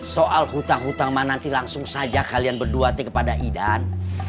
soal hutang hutang mana nanti langsung saja kalian berduati kepada idan